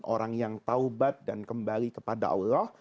orang yang taubat dan kembali kepada allah